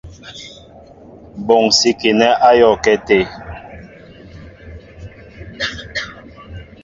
Mɓonsikinɛ ayōōakɛ até.